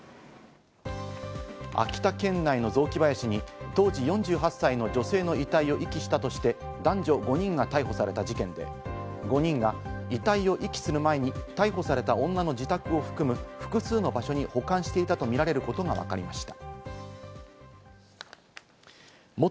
秋田県内の雑木林に当時４８歳の女性の遺体を遺棄したとして男女５人が逮捕された事件で、５人が遺体を遺棄する前に逮捕された女の自宅を含む複数の場所に保管していたとみられることがわかりました。